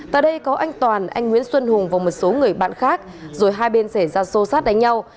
tại đây có anh toàn anh nguyễn xuân hùng và một số người bạn khác rồi hai bên xảy ra xô xát đánh nhau